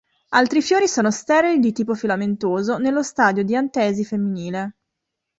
Altri fiori sono sterili di tipo filamentoso nello stadio di antesi femminile.